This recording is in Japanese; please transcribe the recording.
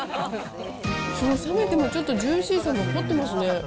冷めてもちょっとジューシーさが残ってますね。